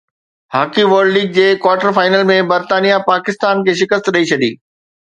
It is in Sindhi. هاڪي ورلڊ ليگ جي ڪوارٽر فائنل ۾ برطانيا پاڪستان کي شڪست ڏئي ڇڏي